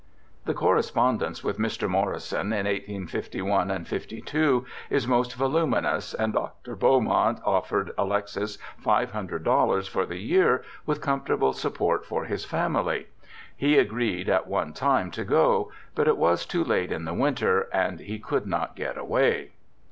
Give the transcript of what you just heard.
The correspondence with Mr. Morrison in 1851 and 1852 is most voluminous, and Dr. Beaumont offered Alexis $500 for the year, with comfortable support for his family. He agreed at one time to go, but it was too late in the winter and he could not get away.